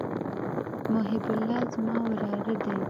محب الله زما وراره دئ.